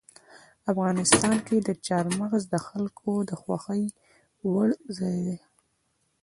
افغانستان کې چار مغز د خلکو د خوښې وړ ځای دی.